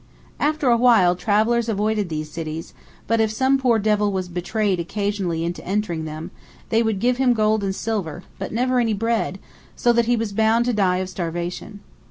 After a while travellers avoided these cities, but if some poor devil was betrayed occasionally into entering them, they would give him gold and silver, but never any bread, so that he was bound to die of starvation.